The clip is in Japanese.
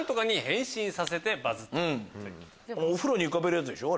お風呂に浮かべるやつでしょ？